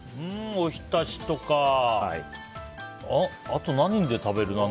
お浸しとか、あと何で食べる？